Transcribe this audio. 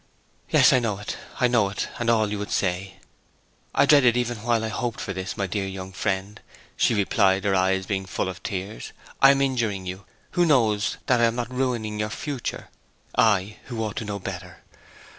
'Yes, I know it, I know it, and all you would say! I dreaded even while I hoped for this, my dear young friend,' she replied, her eyes being full of tears. 'I am injuring you; who knows that I am not ruining your future, I who ought to know better?